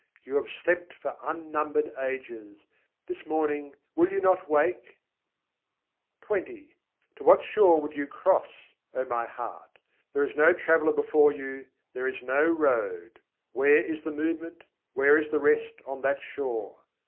You have slept for unnumbered ages; this morning will you not wake? XX II. 22. man tu pâr utar kânh jaiho To what shore would you cross, O my heart? there is no traveller before you, there is no road: Where is the movement, where is the rest, on that shore?